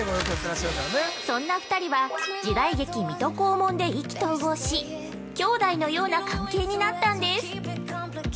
そんな２人は時代劇「水戸黄門」で意気投合し、兄弟のような関係になったんです。